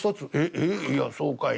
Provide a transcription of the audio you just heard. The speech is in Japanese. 「えっいやそうかいな？